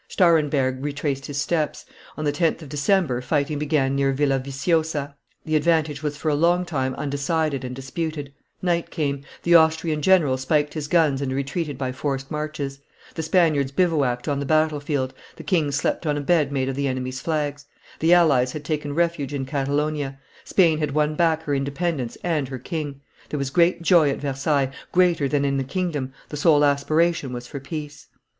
Stahrenberg retraced his steps; on the 10th of December fighting began near Villaviciosa; the advantage was for a long time undecided and disputed; night came; the Austrian general spiked his guns and retreated by forced marches; the Spaniards bivouacked on the battle field, the king slept on a bed made of the enemy's flags; the allies had taken refuge in Catalonia; Spain had won back her independence and her king. There was great joy at Versailles, greater than in the kingdom; the sole aspiration was for peace.